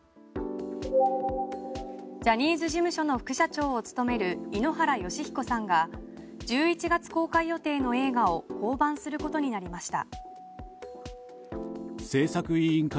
ジャニーズ事務所の副社長を務める井ノ原快彦さんが１１月公開予定の映画を降板することになりました。